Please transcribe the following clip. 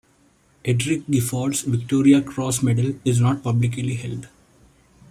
Edric Gifford's Victoria Cross medal is not publicly held.